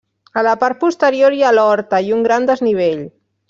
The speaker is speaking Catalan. A la part posterior hi ha l'horta i un gran desnivell.